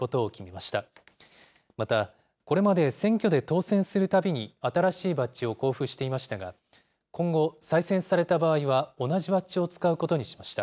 また、これまで選挙で当選するたびに新しいバッジを交付していましたが、今後、再選された場合は同じバッジを使うことにしました。